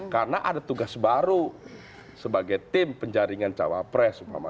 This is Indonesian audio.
karena ada tugas baru sebagai tim penjaringan cawapres